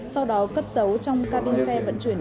sau đó cất dấu trong cabin xe vận chuyển